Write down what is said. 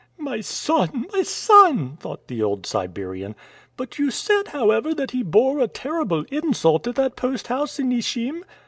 "My son, my son!" thought the old Siberian. "But you said, however, that he bore a terrible insult at that post house in Ichim?"